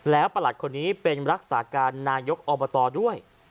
แล้วประหลัดคนนี้เป็นรักษาการนายกอบตด้วย